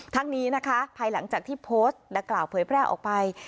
ทั้งนี้นะคะภายหลังจากที่โพสต์ดังกล่าวเผยแพร่ออกไป